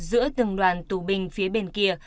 giữa từng đoàn tù binh phía bên kia